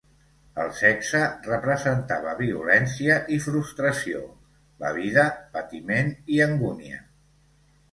El sexe representava violència i frustració, la vida, patiment i angúnia.